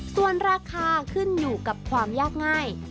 ส่วนราคาขึ้นอยู่กับความยากง่าย